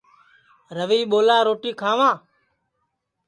روی ٻولا روٹی کھاواں